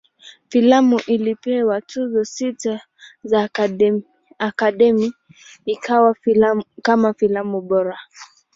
Filamu ilipewa Tuzo sita za Academy, ikiwa kama filamu bora.